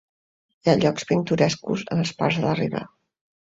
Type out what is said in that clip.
Hi ha llocs pintorescos en els parcs de la riba.